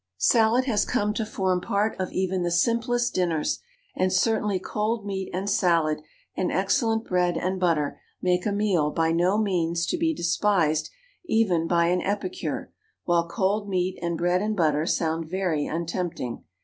Salad has come to form part of even the simplest dinners; and certainly cold meat and salad and excellent bread and butter make a meal by no means to be despised even by an epicure, while cold meat and bread and butter sound very untempting.